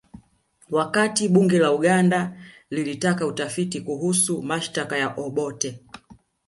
Wakati bunge la Uganda lilitaka utafiti kuhusu mashtaka ya Obote